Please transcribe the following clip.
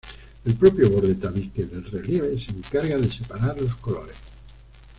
El propio borde-tabique del relieve se encarga de separar los colores.